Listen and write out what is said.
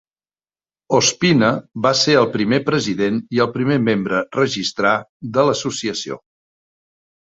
Ospina va ser el primer president i el primer membre registrar de l'associació.